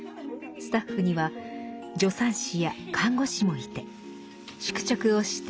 スタッフには助産師や看護師もいて宿直をして常に見守ります。